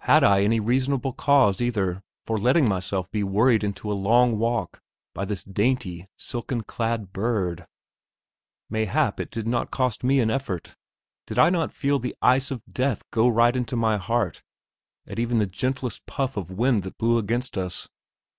Had I any reasonable cause, either, for letting myself be worried into a long walk by this dainty, silken clad bird? Mayhap it did not cost me an effort? Did I not feel the ice of death go right into my heart at even the gentlest puff of wind that blew against us?